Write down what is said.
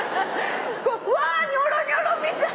うわニョロニョロみたい！